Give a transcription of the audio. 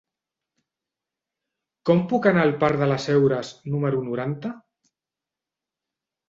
Com puc anar al parc de les Heures número noranta?